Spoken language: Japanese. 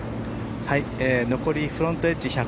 残りフロントエッジ１６６